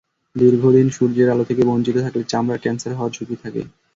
দীর্ঘ দিন সূর্যের আলো থেকে বঞ্চিত থাকলে চামড়ার ক্যানসার হওয়ার ঝুঁকি থাকে।